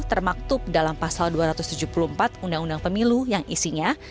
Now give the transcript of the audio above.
termaktub dalam pasal dua ratus tujuh puluh empat undang undang pemilu yang isinya